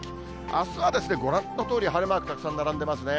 あすはご覧のとおり晴れマークたくさん並んでますね。